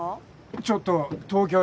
ちょっと東京へな。